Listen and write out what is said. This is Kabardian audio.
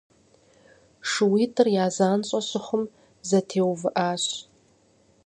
Шууитӏыр я занщӏэ щыхъум, зэтеувыӏащ.